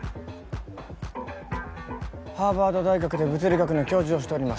ハーバード大学で物理学の教授をしております